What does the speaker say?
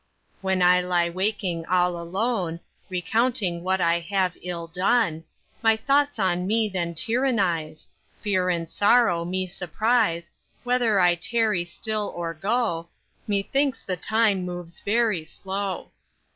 When I lie waking all alone, Recounting what I have ill done, My thoughts on me then tyrannise, Fear and sorrow me surprise, Whether I tarry still or go, Methinks the time moves very slow.